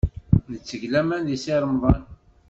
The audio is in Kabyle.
Netteg laman deg Si Remḍan.